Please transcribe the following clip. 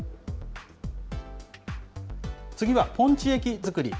次はポンチ液作り。